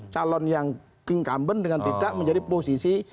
calon yang incumbent dengan tidak menjadi posisi